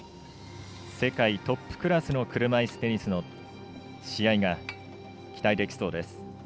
世界トップクラスの車いすテニスの試合が期待できそうです。